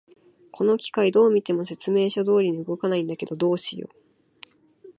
この機械、どう見ても説明書通りに動かないんだけど、どうしよう。